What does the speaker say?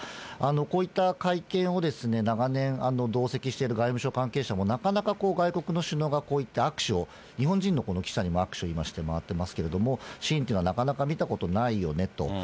こういった会見を長年同席している外務省関係者も、なかなかこうした外国の首脳がこういった握手を日本人の記者にも握手をして回ってますけれども、シーンというのはなかなか見たことないよねと。